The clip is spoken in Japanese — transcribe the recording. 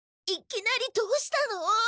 いきなりどうしたの？